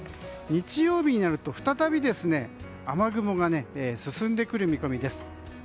日曜日になると、再び雨雲が進んでくる見込みです。